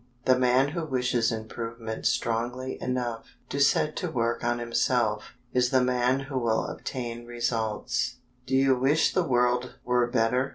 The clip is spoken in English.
The man who wishes improvement strongly enough to set to work on himself is the man who will obtain results. Do you wish the world were better?